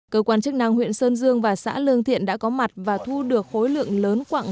cơ quan chức năng huyện sơn dương và xã lương thiện đã có mặt và thu được khối lượng lớn quạng